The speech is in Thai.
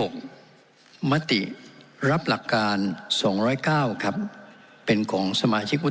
หกมติรับหลักการสองร้อยเก้าครับเป็นของสมาชิกวุฒิ